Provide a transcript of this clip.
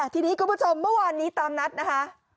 ทีนี้คุณผู้ชมเมื่อวานนี้ตามนัดนะคะ